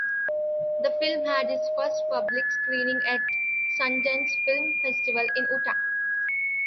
The film had its first public screening at Sundance Film Festival in Utah.